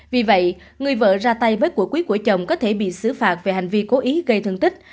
vì vậy người vợ ra tay với quỷ của chồng có thể bị xứ phạt về hành vi cố ý gây thương tích